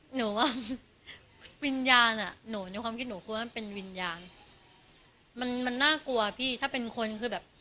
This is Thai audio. หนูว่าวิญญาณอ่ะหนูในความคิดหนูกลัวมันเป็นวิญญาณมันมันน่ากลัวพี่ถ้าเป็นคนคือแบบ